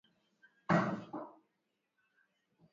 kukimbia kambi zao na kuingia Uganda na Rwanda